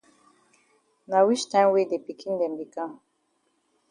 Na wich time wey de pikin dem be kam?